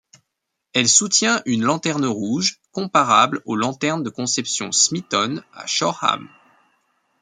Elle soutient une lanterne rouge comparable aux lanternes de conception Smeaton, à Shoreham.